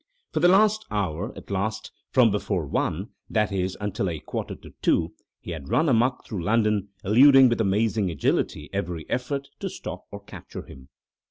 For the last hour, at least from before one, that is, until a quarter to two, he had run amuck through London, eluding with amazing agility every effort to stop or capture him.